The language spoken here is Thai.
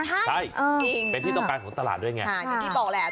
ใช่เป็นที่ต้องการสนตลาดด้วยไง